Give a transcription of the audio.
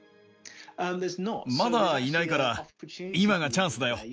まだいないから、今がチャンスだよ。